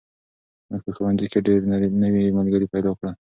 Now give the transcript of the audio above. موږ په ښوونځي کې ډېر نوي ملګري پیدا کړل.